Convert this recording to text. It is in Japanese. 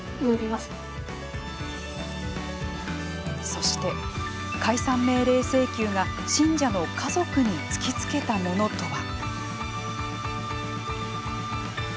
そして、解散命令請求が信者の家族に突きつけたものとは。